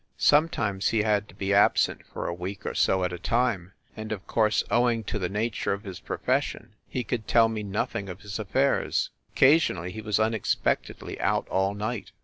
Sometimes he had to be absent for a week or so at a time; and, of course, owing to the nature of his profession he could tell me nothing of his affairs. Occasionally he was un expectedly out all night.